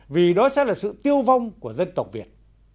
vì đó sẽ là sự tiêu vong của dân tộc việt